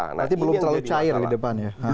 berarti belum terlalu cair di depannya